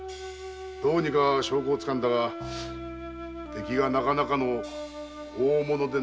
どうにか証拠を掴んだが敵がなかなかの大物でな。